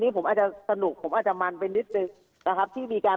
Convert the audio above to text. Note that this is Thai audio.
ผมอาจจะสนุกผมอาจจะมันไปนิดนึงนะครับที่มีการ